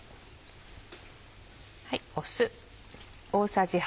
酢。